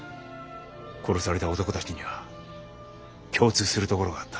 殺された男達には共通するところがあった。